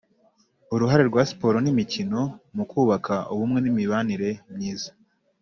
Uruhare rwa siporo n imikino mu kubaka ubumwe n imibanire myiza